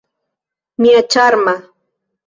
Mia ĉarma!